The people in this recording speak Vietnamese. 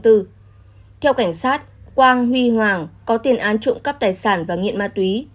theo cảnh sát quang huy hoàng có tiền án trộm cắp tài sản và nghiện ma túy